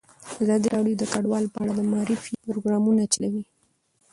ازادي راډیو د کډوال په اړه د معارفې پروګرامونه چلولي.